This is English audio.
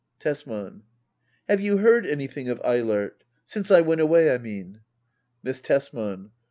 Tesman. Have you heard an3rthing of Eilert ? Since I went away, I mean. Miss Tesman.